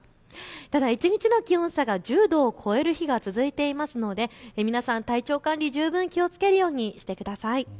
ただ一日の気温差が１０度を超える日が続いていますので皆さん、体調管理、十分気をつけるようにしてください。